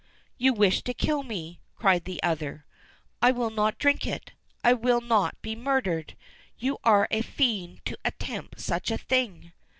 "You wish to kill me," cried the other. "I will not drink it. I will not be murdered. You are a fiend to attempt such a thing."